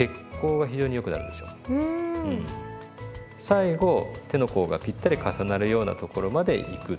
最後手の甲がぴったり重なるようなところまでいく。